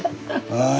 はい。